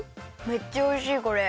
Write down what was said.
めっちゃおいしいこれ！